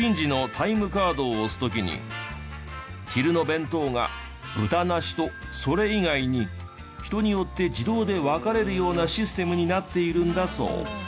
昼の弁当が豚なしとそれ以外に人によって自動で分かれるようなシステムになっているんだそう。